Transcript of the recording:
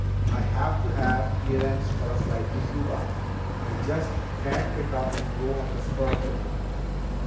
I have to have clearance for a flight to Cuba. I just can't pick up and go on the spur of the moment."